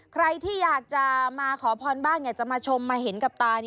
ใครที่อยากจะมาขอพรบ้างอยากจะมาชมมาเห็นกับตา